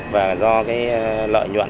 và do cái lợi nhuận